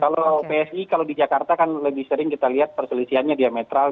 karena psi kalau di jakarta kan lebih sering kita lihat perselisihannya diametral